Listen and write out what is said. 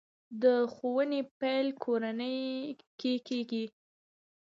د ښوونې پیل کورنۍ کې کېږي.